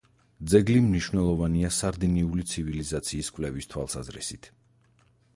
ძეგლი მნიშვნელოვანია სარდინიული ცივილიზაციის კვლევის თვალსაზრისით.